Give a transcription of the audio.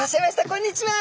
こんにちは！